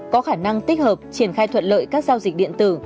có khả năng tích hợp triển khai thuận lợi các giao dịch điện tử